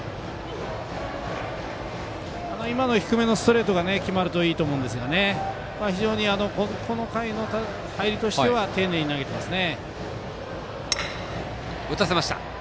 今の低めのストレートが決まるといいと思うんですが非常にこの回の入りとしては丁寧に投げてますね。